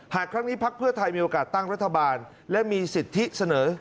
หากครั้งนี้พักเพื่อไทยมีโอกาสตั้งรัฐบาลและมีสิทธิเสนอ